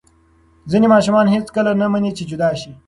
ځینې ماشومان هېڅکله نه مني چې جدا شي.